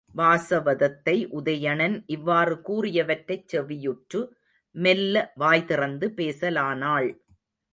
வாசவதத்தை, உதயணன் இவ்வாறு கூறியவற்றைச் செவியுற்று மெல்ல வாய்திறந்து பேசனாலாள்.